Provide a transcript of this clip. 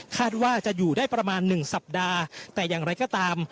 ว่าจะอยู่ได้ประมาณหนึ่งสัปดาห์แต่อย่างไรก็ตาม